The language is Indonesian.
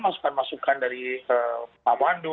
masukan masukan dari pak pandu